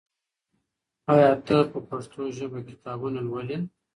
آیا ته په پښتو ژبه کتابونه لولې؟